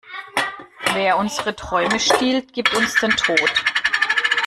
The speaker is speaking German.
Wer unsere Träume stiehlt, gibt uns den Tod.